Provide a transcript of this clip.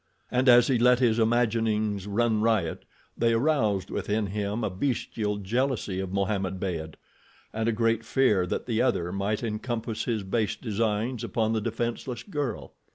And as he let his imaginings run riot they aroused within him a bestial jealousy of Mohammed Beyd, and a great fear that the other might encompass his base designs upon the defenseless girl.